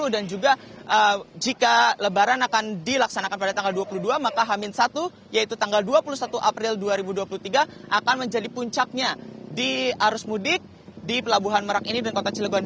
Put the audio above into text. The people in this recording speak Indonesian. dan juga jika lebaran akan dilaksanakan pada tanggal dua puluh dua maka hamil satu yaitu tanggal dua puluh satu april dua ribu dua puluh tiga akan menjadi puncaknya di arus mudik di pelabuhan merak ini dan kota cilegon